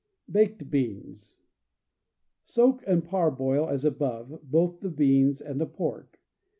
Baked Beans. — Soak and parboil, as above, both the beans and the pork.